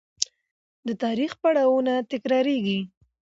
د تاریخ پړاوونه تکرارېږي.